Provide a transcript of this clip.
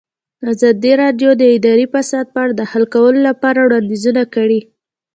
ازادي راډیو د اداري فساد په اړه د حل کولو لپاره وړاندیزونه کړي.